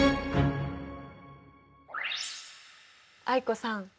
藍子さん。